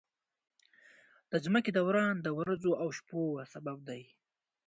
د ځمکې دوران د ورځو او شپو سبب دی.